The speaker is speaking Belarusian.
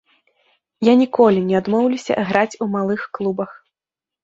Я ніколі не адмоўлюся граць у малых клубах.